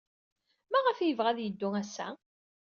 Maɣef ay yebɣa ad yeddu ass-a?